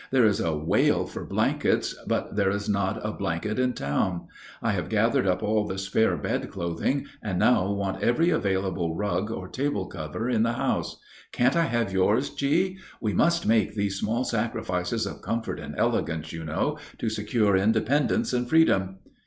There is a wail for blankets, but there is not a blanket in town. I have gathered up all the spare bed clothing, and now want every available rug or table cover in the house. Can't I have yours, G.? We must make these small sacrifices of comfort and elegance, you know, to secure independence and freedom."